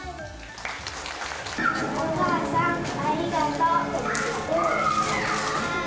お母さん、ありがとう。